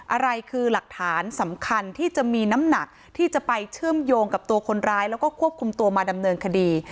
อะไรคือหลักฐานสำคัญที่จะมีน้ำหนักที่จะไปเชื่อมโยงกับตัวคนร้ายแล้วก็ควบคุมตัวมาดำเนินคดี